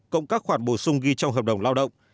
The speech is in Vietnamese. cộng các khoản bổ sung ghi trong hợp đồng lao động